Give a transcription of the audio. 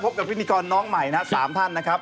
กับพิธีกรน้องใหม่นะ๓ท่านนะครับ